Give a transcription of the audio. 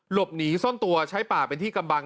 หลบหนีซ่อนตัวใช้ป่าเป็นที่กำบัง